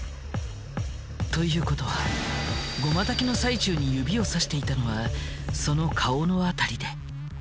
ということは護摩焚きの最中に指をさしていたのはその顔の辺りで。